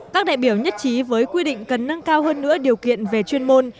các đại biểu nhất trí với quy định cần nâng cao hơn nữa điều kiện về chuyên môn